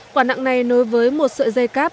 quả nặng này nối với một sợi dây cáp